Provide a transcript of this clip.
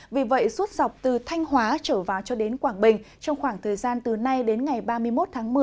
vì vậy suốt dọc từ thanh hóa trở vào cho đến quảng bình trong khoảng thời gian từ nay đến ngày ba mươi một tháng một mươi